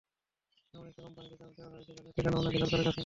এমন একটি কোম্পানিকে কাজ দেওয়া হয়েছে, যাদের ঠিকানাও নাকি সরকারের কাছে নেই।